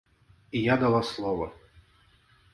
І я дала слова.